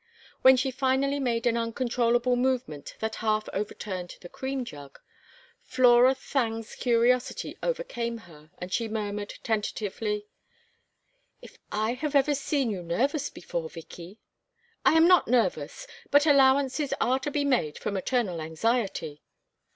When she finally made an uncontrollable movement that half overturned the cream jug, Flora Thangue's curiosity overcame her, and she murmured, tentatively: "If I had ever seen you nervous before, Vicky " "I am not nervous, but allowances are to be made for maternal anxiety."